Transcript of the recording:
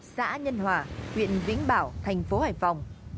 xã nhân hòa huyện vĩnh bảo thành phố hải phòng